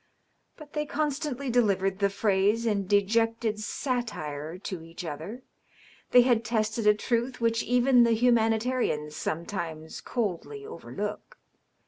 But they constantly delivered the phrase in de ject^ satire to each other. They had tested a truth which even the humanitarians sometimes coldly overlook.